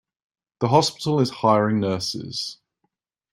The hospital is hiring nurses.